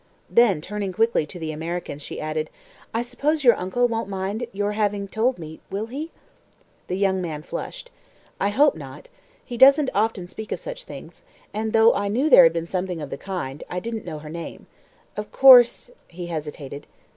Then, turning quickly to the American, she added, "I suppose your uncle won't mind your having told me, will he?" The young man flushed. "I hope not. He doesn't often speak of such things; and, though I knew there had been something of the kind, I didn't know her name. Of course " He hesitated.